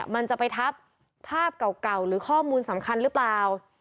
มันจะไปทับภาพเก่าหรือข้อมูลสำคัญหรือเปล่า